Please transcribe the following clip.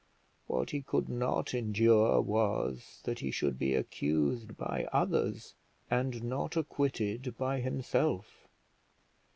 What he could not endure was, that he should be accused by others, and not acquitted by himself.